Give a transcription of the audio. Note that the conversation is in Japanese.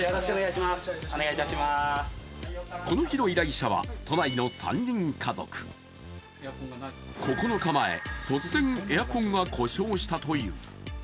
この日の依頼者は都内の３人家族９日前、突然エアコンが故障したという。